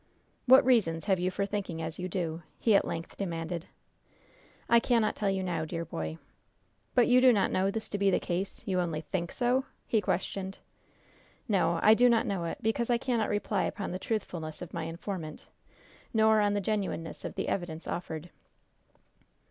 "What reasons have you for thinking as you do?" he at length demanded. "I cannot tell you now, dear boy." "But you do not know this to be the case? You only think so?" he questioned. "No, I do not know it; because I cannot rely upon the truthfulness of my informant, nor on the genuineness of the evidence offered."